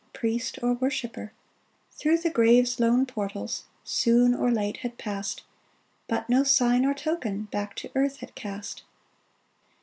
Priest, or worshipper — Through the grave's lone portals Soon or late had passed, But no sign or token Back to earth had cast